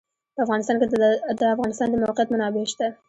په افغانستان کې د د افغانستان د موقعیت منابع شته.